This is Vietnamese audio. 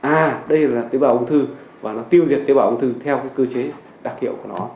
a đây là tế bào ung thư và nó tiêu diệt tế bào ung thư theo cơ chế đặc hiệu của nó